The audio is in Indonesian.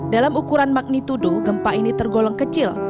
dalam ukuran magnitudo gempa ini tergolong kecil